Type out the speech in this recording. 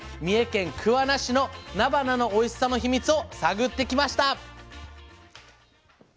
三重県桑名市のなばなのおいしさのヒミツを探ってきました。